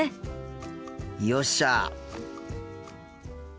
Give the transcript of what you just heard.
よっしゃ！